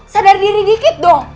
sadar diri dikit dong